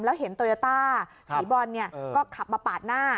แล้วเห็นโตยาต้าสีบรอนเนี่ยก็ขับมาปาดหน้า